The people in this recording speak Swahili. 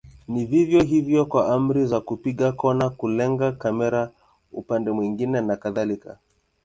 Ni vivyo hivyo kwa amri za kupiga kona, kulenga kamera upande mwingine na kadhalika.